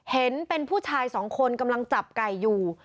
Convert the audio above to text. เห็นเป็นผู้ชายสองคนกำลังจับไก่อยู่